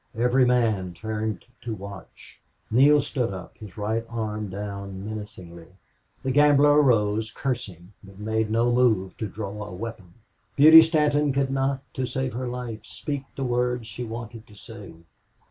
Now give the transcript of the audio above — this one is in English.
Every man turned to watch. Neale stood up, his right arm down, menacingly. The gambler arose, cursing, but made no move to draw a weapon. Beauty Stanton could not, to save her life, speak the words she wanted to say.